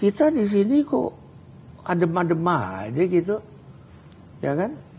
kita di sini kok adema demam aja gitu ya kan